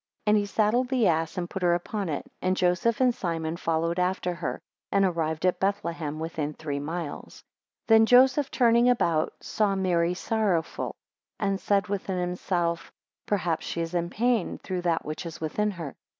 5 And he saddled the ass, and put her upon it, and Joseph and Simon followed after her, and arrived at Bethlehem within three miles. 6 Then Joseph turning about saw Mary sorrowful, and said within himself, Perhaps she is in pain through that which is within her.